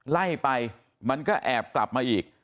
ไล่ไปมันก็แอบกลับมาอีก